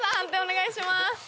判定お願いします。